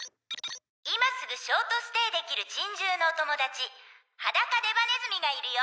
「今すぐショートステイできる珍獣のお友達ハダカデバネズミがいるよ」